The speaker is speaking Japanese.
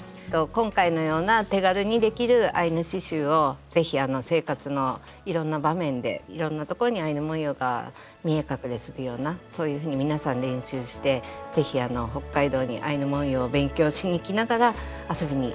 今回のような手軽にできるアイヌ刺しゅうを是非あの生活のいろんな場面でいろんなところにアイヌ文様が見え隠れするようなそういうふうに皆さん練習して是非北海道にアイヌ文様を勉強しにきながら遊びにきて。